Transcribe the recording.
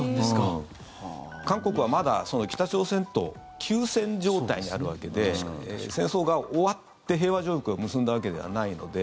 韓国はまだ北朝鮮と休戦状態にあるわけで戦争が終わって、平和条約を結んだわけではないので。